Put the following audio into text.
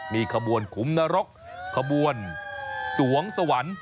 มีขบวนขุมนรกขบวนสวงสวรรค์